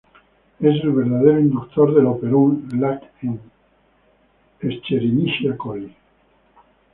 Es el verdadero inductor del operón lac en "Escherichia coli".